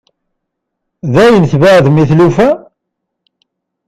Dayen tbeɛɛdem i tlufa?